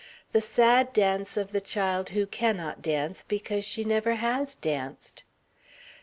The sad dance of the child who cannot dance because she never has danced.